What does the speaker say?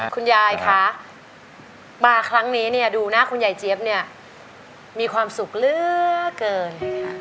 คุณยายคะมาครั้งนี้เนี่ยดูหน้าคุณยายเจี๊ยบเนี่ยมีความสุขเหลือเกิน